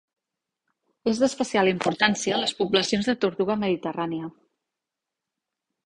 És d'especial importància les poblacions de tortuga mediterrània.